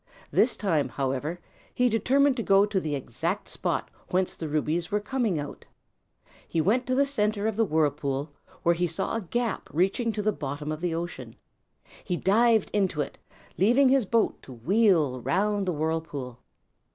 This time, however, he determined to go to the exact spot whence the rubies were coming out. He went to the centre of the whirlpool, where he saw a gap reaching to the bottom of the ocean. He dived into it, leaving his boat to wheel round the whirlpool.